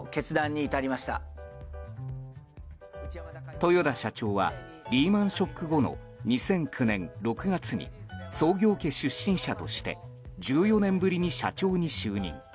豊田社長はリーマン・ショック後の２００９年６月に創業家出身者として１４年ぶりに社長に就任。